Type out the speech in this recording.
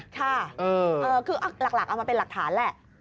ค่ะคือหลักเอามาเป็นหลักฐานแหละ